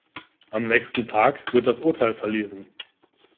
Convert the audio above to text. Am nächsten Tag wird das Urteil verlesen.